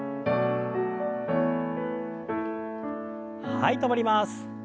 はい止まります。